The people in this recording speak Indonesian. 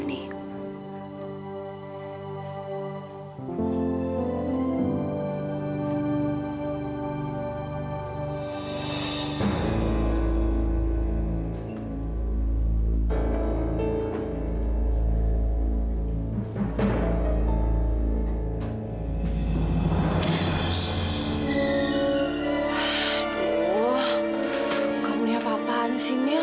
aduh kamu nih apa apaan sih niel